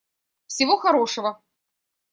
Всего хорошего.